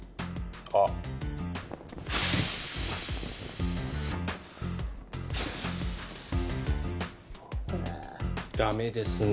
あっダメですね